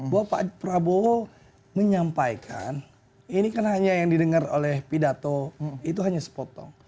bahwa pak prabowo menyampaikan ini kan hanya yang didengar oleh pidato itu hanya sepotong